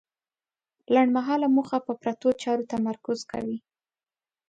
لنډمهاله موخه په پرتو چارو تمرکز کوي.